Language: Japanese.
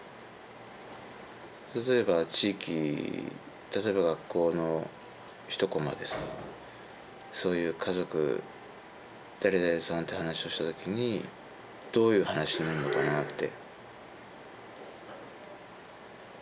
例えば地域例えば学校の一コマでさそういう家族誰々さんって話をした時にどういう話になるのかなって。